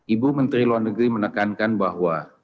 ibu menteri luar negeri menekankan bahwa